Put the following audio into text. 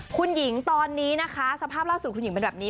คุณหญิงตอนนี้นะคะสภาพล่าสุดคุณหญิงเป็นแบบนี้